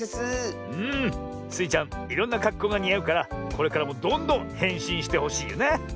いろんなかっこうがにあうからこれからもどんどんへんしんしてほしいよな。